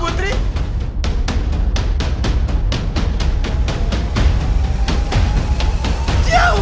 mungkin kamu jatuh ini